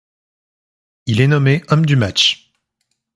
Il est nommé homme du match.